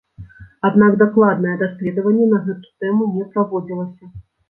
Аднак дакладнае даследаванне на гэту тэму не праводзілася.